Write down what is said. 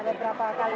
ada beberapa kali